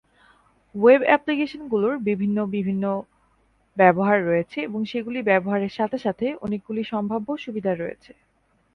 Web অ্যাপ্লিকেশনগুলির বিভিন্ন বিভিন্ন ব্যবহার রয়েছে এবং সেগুলি ব্যবহারের সাথে সাথে অনেকগুলি সম্ভাব্য সুবিধা রয়েছে।